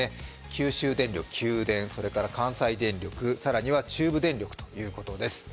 九州電力、九電、関西電力、更には中部電力ということです。